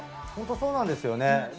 そうなんですよね。